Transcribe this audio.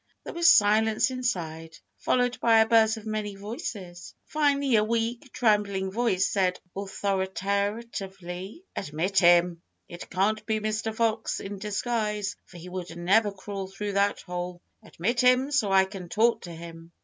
There was silence inside, followed by a buzz of many voices. Finally a weak, trembling voice said authoritatively: "Admit him! It can't be Mr. Fox in disguise, for he could never crawl through that hole. Admit him so I can talk to him."